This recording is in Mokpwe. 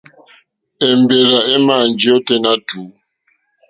Èmbèrzà èmà njíyá ôténá tùú.